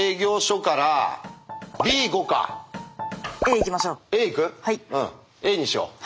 うんＡにしよう。